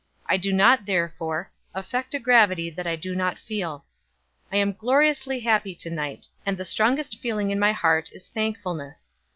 I do not, therefore, affect a gravity that I do not feel. I am gloriously happy to night, and the strongest feeling in my heart is thankfulness.